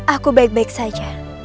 aku baik baik saja